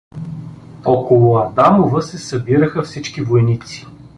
Около Адамова се събираха всички войници.